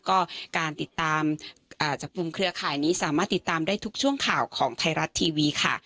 ก็การติดตามจับกลุ่มเครือข่ายนี้สามารถติดตามได้ทุกช่วงข่าวของไทยรัฐทีวีค่ะ